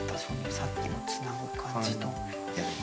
さっきのつなぐ感じと。